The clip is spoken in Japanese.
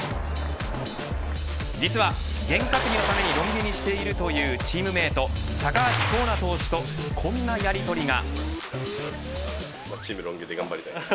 実は、験担ぎのためにロン毛にしているというチームメート高橋光成投手とこんなやりとりが。